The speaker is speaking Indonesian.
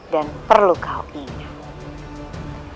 dan perlu kau ingat